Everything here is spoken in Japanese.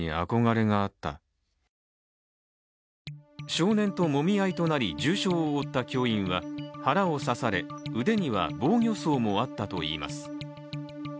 少年ともみ合いとなり重傷を負った教員は、腹を刺され腕には防御創もあったといいます。